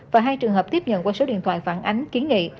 và hai trường hợp tiếp nhận qua số điện thoại phản ánh kiến nghị